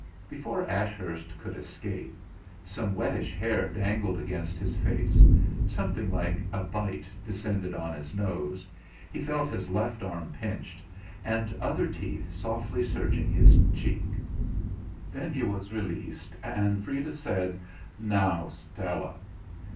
Before Ashurst could escape, some wettish hair dangled against his face, something like a bite descended on his nose, he felt his left arm pinched, and other teeth softly searching his cheek. Then he was released, and Freda said: "Now, Stella."